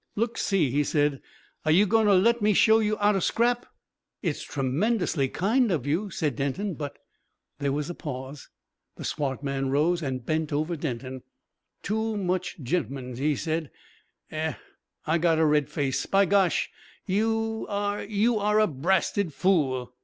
"Look see!" he said: "are you going to let me show you 'ow to scrap?" "It's tremendously kind of you," said Denton; "but " There was a pause. The swart man rose and bent over Denton. "Too much ge'man," he said "eh? I got a red face.... By gosh! you are you are a brasted fool!"